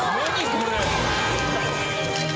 これ。